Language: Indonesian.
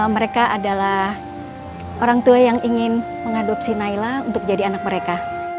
mereka adalah orang tua yang ingin mengadopsi naila untuk jadi anak mereka